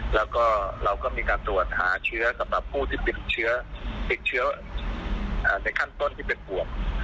แล้วก็เราก็มีการตรวจหาเชื้อสำหรับผู้ที่ติดเชื้อติดเชื้อในขั้นต้นที่เป็นบวก